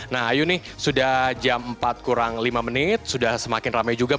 nah ayu nih sudah jam empat kurang lima menit sudah semakin ramai juga